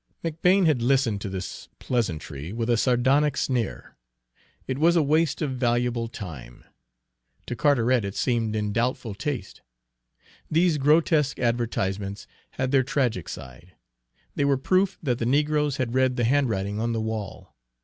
McBane had listened to this pleasantry with a sardonic sneer. It was a waste of valuable time. To Carteret it seemed in doubtful taste. These grotesque advertisements had their tragic side. They were proof that the negroes had read the handwriting on the wall.